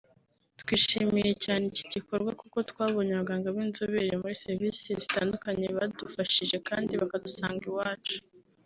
« Twishimiye cyane iki gikorwa kuko twabonye abaganga b’inzobere muri serivisi zitandukanye badufashije kandi bakadusanga iwacu »